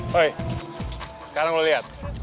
hei sekarang lo liat